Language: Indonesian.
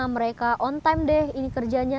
mereka on time deh ini kerjanya